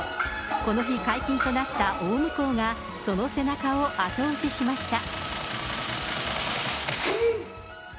この日、解禁となったがその背中を後押ししました。